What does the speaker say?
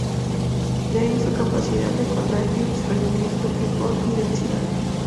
De ahí su capacidad de contagio y desprendimiento, fulgor y densidad.